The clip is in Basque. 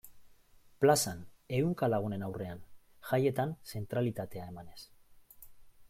Plazan, ehunka lagunen aurrean, jaietan zentralitatea emanez.